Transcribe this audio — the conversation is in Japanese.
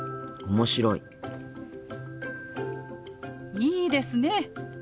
いいですね。